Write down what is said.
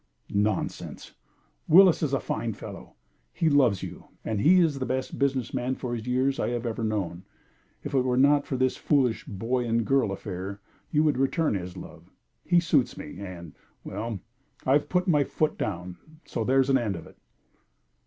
"Nonsense! Willis is a fine fellow, he loves you, and he is the best business man for his years I have ever known. If it were not for this foolish boy and girl affair, you would return his love. He suits me, and well, I have put my foot down, so there's an end of it."